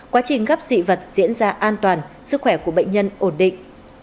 quá trình gấp dị vật diễn ra an toàn sức khỏe của bệnh nhân ổn định